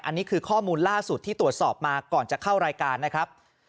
อันนี้คือข้อมูลล่าสุดที่ตรวจสอบมาก่อนจะเข้ารายการนะครับ